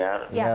selamat pagi pak